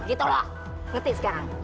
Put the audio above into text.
gitu loh ngerti sekarang